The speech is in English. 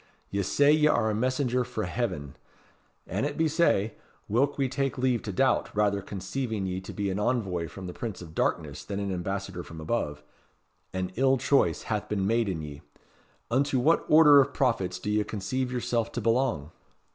"Ye say ye are a messenger frae heaven. An it be sae, whilk we take leave to doubt, rather conceiving ye to be an envoy from the Prince of Darkness than an ambassador from above, an ill choice hath been made in ye. Unto what order of prophets do ye conceive yourself to belong?"